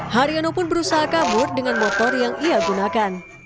haryono pun berusaha kabur dengan motor yang ia gunakan